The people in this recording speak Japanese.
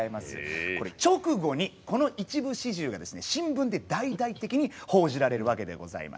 直後にこの一部始終が新聞で大々的に報じられるわけでございます。